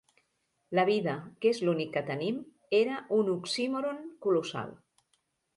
La vida, que és l'únic que tenim, era un oxímoron colossal.